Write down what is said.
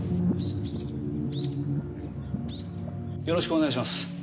よろしくお願いします。